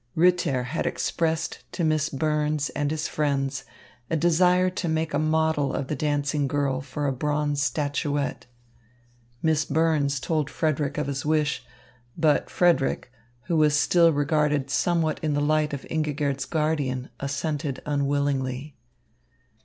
Ritter had expressed to Miss Burns and his friends a desire to make a model of the dancing girl for a bronze statuette. Miss Burns told Frederick of his wish. But Frederick, who was still regarded somewhat in the light of Ingigerd's guardian, assented unwillingly.